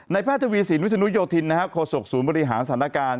แพทย์ทวีสินวิศนุโยธินโคศกศูนย์บริหารสถานการณ์